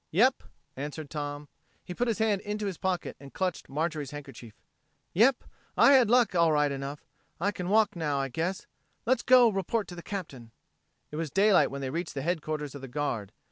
"Yep," answered Tom. He put his hand into his pocket and clutched Marjorie's handkerchief. "Yep, I had luck, all right enough. I can walk now, I guess. Let's go report to the Captain." It was daylight when they reached the headquarters of the guard.